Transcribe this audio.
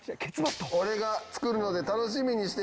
「俺が作るので楽しみにしていてね」